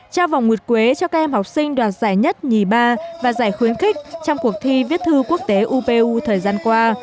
trao vòng nguyệt quế cho các em học sinh đoạt giải nhất nhì ba và giải khuyến khích trong cuộc thi viết thư quốc tế upu thời gian qua